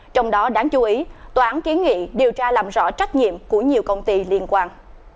trong đó đáng chú ý tòa án kiến nghị điều tra làm rõ trách nhiệm của nhiều công ty liên quan